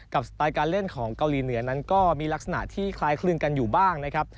สไตล์การเล่นของเกาหลีเหนือนั้นก็มีลักษณะที่คล้ายคลึงกันอยู่บ้างนะครับ